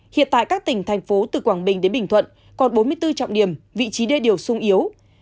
hiện tại các tỉnh thành phố từ quảng bình đến bình thuận còn bốn mươi bốn trọng điểm vị trí đê điều sung yếu